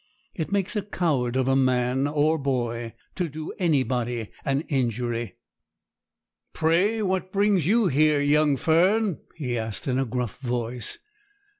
It makes a coward of a man or boy to do anybody an injury. 'Pray, what business brings you here, young Fern?' he asked in a gruff voice.